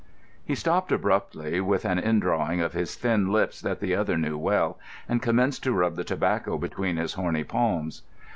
_" He stopped abruptly, with an indrawing of his thin lips that the other knew well, and commenced to rub the tobacco between his horny palms.